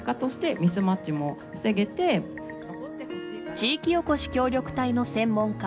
地域おこし協力隊の専門家